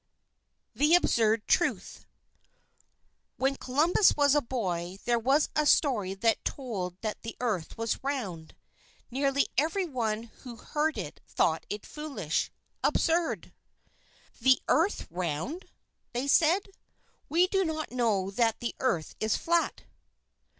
THE ABSURD TRUTH When Columbus was a boy, there was a story told that the Earth was round. Nearly every one who heard it thought it foolish absurd. "The Earth round!" they said; "do we not know that the Earth is flat?